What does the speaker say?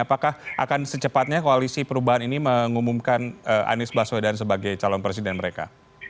apakah akan secepatnya koalisi perubahan ini mengumumkan anies baswedan sebagai calon presiden mereka